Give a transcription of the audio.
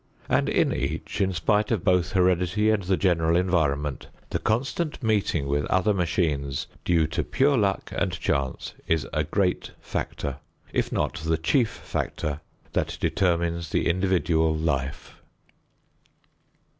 And in each, in spite of both heredity and the general environment, the constant meeting with other machines due to pure luck and chance is a great factor, if not the chief factor, that determines the individual life.